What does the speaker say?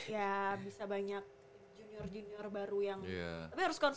ya bisa banyak junior junior baru yang